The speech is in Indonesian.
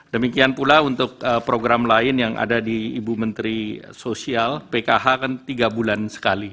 demikian pula untuk program lain yang ada di ibu menteri sosial pkh kan tiga bulan sekali